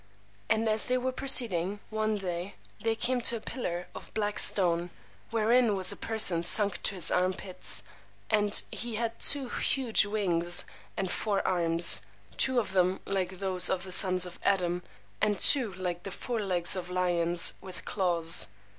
And as they were proceeding, one day, they came to a pillar of black stone, wherein was a person sunk to his arm pits, and he had two huge wings, and four arms; two of them like those of the sons of Adam, and two like the forelegs of lions, with claws.